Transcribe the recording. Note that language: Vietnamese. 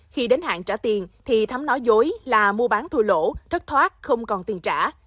khi đến hạn trả tiền thì thấm nói dối là mua bán thua lỗ thất thoát không còn tiền trả